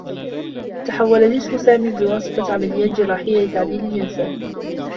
تحوّل جسم سامي بواسطة عمليّات جراحيّة لتعديل جنسه.